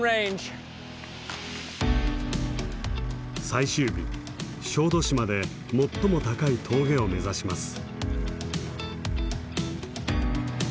最終日小豆島で最も高い峠を目指します。